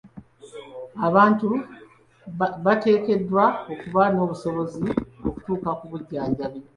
Abantu bateekeddwa okuba n'obusobozi okutuuka ku bujjanjabi.